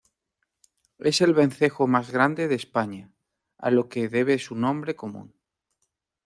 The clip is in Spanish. Es el vencejo más grande de España, a lo que debe su nombre común.